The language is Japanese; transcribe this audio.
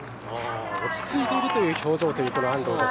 落ち着いているという表情というこの安藤です。